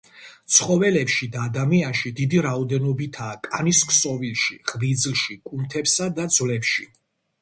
ცხოველებში და ადამიანში დიდი რაოდენობითაა კანის ქსოვილში, ღვიძლში, კუნთებსა და ძვლებში.